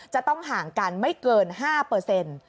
จะต้องห่างกันไม่เกิน๕